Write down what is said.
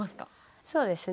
そうですね。